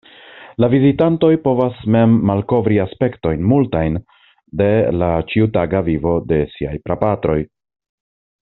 La vizitantoj povas mem malkovri aspektojn multajn de la ĉiutaga vivo de siaj prapatroj.